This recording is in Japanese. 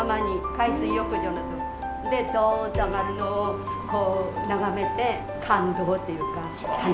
海水浴場の。でドンと上がるのをこう眺めて感動っていうか。